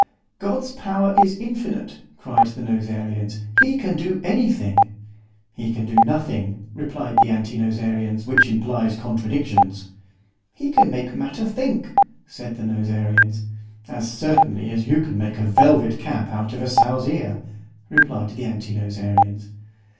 God's power is infinite, cried the Nosarians, he can do any thing. He can do nothing, replied the Anti nosarians, which implies contradictions. He can make matter think, said the Nosarians. As certainly as you can make a velvet cap out of a sow's ear, replied the Anti nosarians.